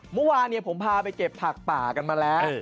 เมื่อวานผมพาไปเก็บผักป่ากันมาแล้ว